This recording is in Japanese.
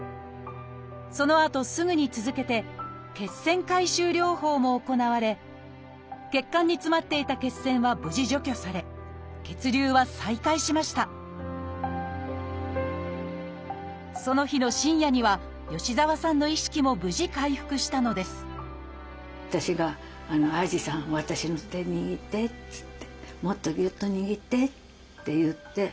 そのあとすぐに続けて血栓回収療法も行われ血管に詰まっていた血栓は無事除去され血流は再開しましたその日の深夜には吉澤さんの意識も無事回復したのです「もっとギュッと握って」って言って。